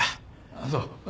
あっそう。